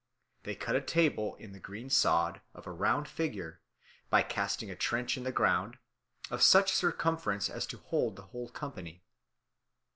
They cut a table in the green sod, of a round figure, by casting a trench in the ground, of such circumference as to hold the whole company.